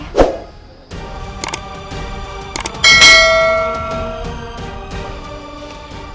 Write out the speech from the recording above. akhirnya reduce lawan itu